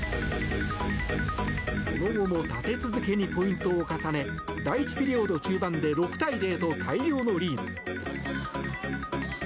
その後も立て続けにポイントを重ね第１ピリオド中盤で６対０と大量のリード。